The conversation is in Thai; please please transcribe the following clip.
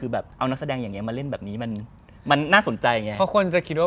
แล้วเป็นนักแสดงเบอร์ใหญ่ด้วย